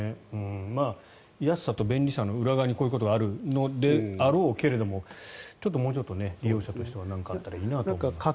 安さと便利さの裏側にこういうことがあるのであろうけれどももうちょっと利用者としてはなんかあったらいいなと思いますが。